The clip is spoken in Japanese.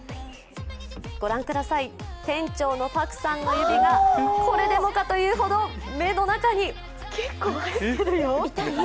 ご覧ください、店長のパクさんの指がこれでもかというほど目の中に。